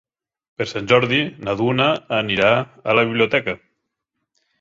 Per Sant Jordi na Duna anirà a la biblioteca.